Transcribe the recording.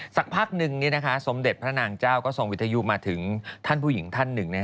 สักพักหนึ่งสมเด็จพระนางเจ้าก็ทรงวิทยุมาถึงท่านผู้หญิงท่านหนึ่ง